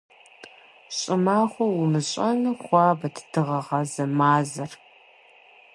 ЩӀымахуэу умыщӀэну, хуабэт дыгъэгъазэ мазэр.